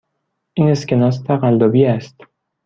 این اسکناس تقلبی است.